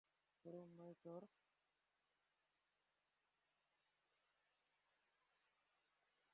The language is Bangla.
শরম নাই তোর?